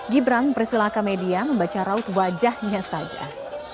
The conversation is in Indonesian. gibran persilakan media membaca raut wajahnya saja